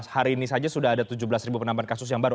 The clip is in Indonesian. hari ini saja sudah ada tujuh belas penambahan kasus yang baru